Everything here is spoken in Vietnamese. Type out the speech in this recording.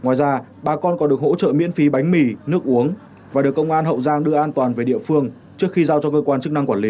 ngoài ra bà con còn được hỗ trợ miễn phí bánh mì nước uống và được công an hậu giang đưa an toàn về địa phương trước khi giao cho cơ quan chức năng quản lý